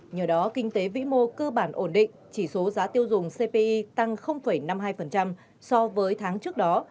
nhờ đó kinh tế vĩ mô cơ bản ổn định chỉ số giá tiêu dùng cpi tăng năm mươi hai so với tháng trước đó